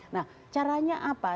nah caranya apa